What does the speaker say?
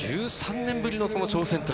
１３年ぶりの挑戦。